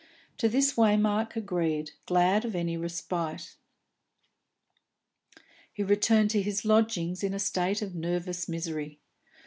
To this Waymark agreed, glad of any respite. He returned to his lodgings in a state of nervous misery.